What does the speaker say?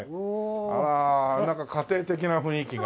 あらなんか家庭的な雰囲気が。